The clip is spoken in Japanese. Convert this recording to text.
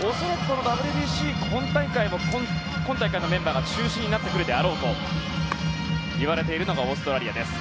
恐らく、ＷＢＣ本大会も今大会のメンバーが中心になってくるであろうといわれているのがオーストラリアです。